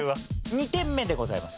２点目でございます。